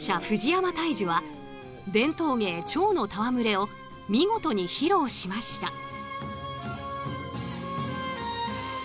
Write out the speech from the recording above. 藤山大樹は伝統芸ちょうの戯れを見事に披露しました。